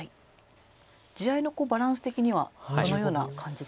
地合いのバランス的にはどのような感じですか？